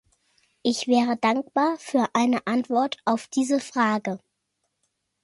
Ich wäre dankbar für eine Antwort auf diese Frage.